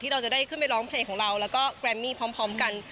เราจะได้ขึ้นไปร้องเพลงของเราแล้วก็แกรมมี่พร้อมกัน